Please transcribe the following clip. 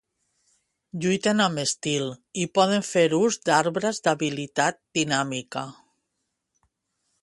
"Lluiten amb estil" i poden fer ús d'arbres d'habilitat dinàmica.